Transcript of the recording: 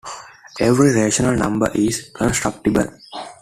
Every rational number is constructible.